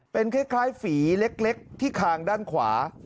เป็นคล้ายฝีเล็กที่คางด้านขวา